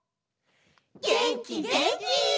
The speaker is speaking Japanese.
げんきげんき！